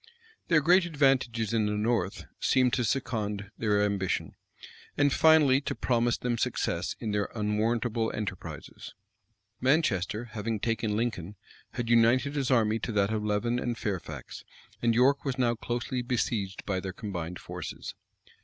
Their great advantages in the north seemed to second their ambition, and finally to promise them success in their unwarrantable enterprises. Manchester, having taken Lincoln, had united his army to that of Leven and Fairfax; and York was now closely besieged by their combined forces.